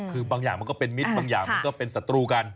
คือบางอย่างมันก็เป็นมิตรบางอย่างมันก็เป็นศัตรูกัน